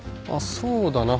そうだな